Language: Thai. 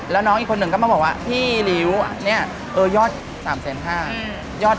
แล้วน้องอีกคนหนึ่งก็มาบอกว่าพี่ริ้วเนี่ยยอด๓๕๐๐บาท